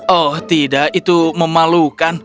oh tidak itu memalukan